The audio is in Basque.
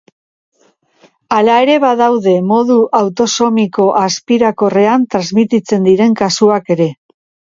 Hala ere, badaude modu autosomiko azpirakorrean transmititzen diren kasuak ere.